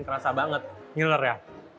kerasa banget nyeler ya